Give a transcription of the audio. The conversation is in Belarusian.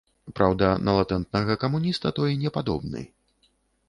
Праўда, на латэнтнага камуніста той не падобны.